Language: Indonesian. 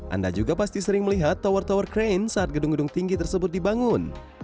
anda juga pasti sering melihat tower tower crane saat gedung gedung tinggi tersebut dibangun